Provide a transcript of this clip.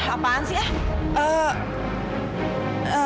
apaan sih ya